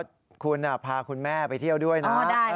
คุณพาคุณแม่ไปเที่ยวด้วยนะ